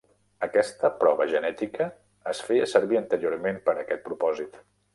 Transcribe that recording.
Aquesta prova genètica es feia servir anteriorment per a aquest propòsit.